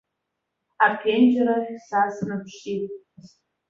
Аԥенџьыр ахь са снаԥшит.